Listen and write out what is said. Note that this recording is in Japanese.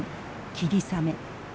「きりさめ」。